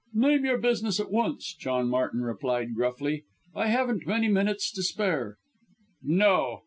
"Name your business at once," John Martin replied gruffly; "I haven't many minutes to spare." "No!"